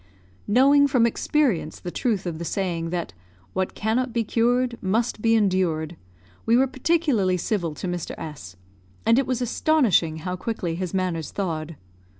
Knowing from experience the truth of the saying that "what cannot be cured must be endured," we were particularly civil to Mr. S ; and it was astonishing how quickly his manners thawed.